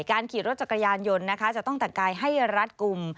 ขี่รถจักรยานยนต์นะคะจะต้องแต่งกายให้รัดกลุ่ม